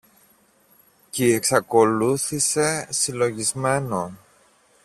κι εξακολούθησε συλλογισμένο